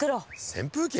扇風機？